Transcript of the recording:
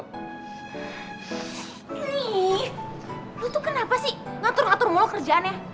nih lo tuh kenapa sih ngatur ngatur mulu kerjaannya